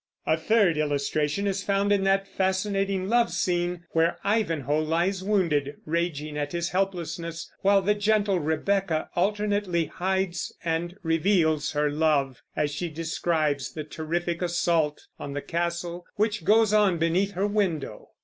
A third illustration is found in that fascinating love scene, where Ivanhoe lies wounded, raging at his helplessness, while the gentle Rebecca alternately hides and reveals her love as she describes the terrific assault on the castle, which goes on beneath her window.